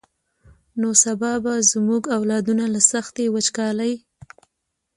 نو سبا به زمونږ اولادونه له سختې وچکالۍ.